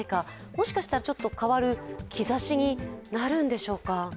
もしかしたら変わる兆しになるんでしょうか。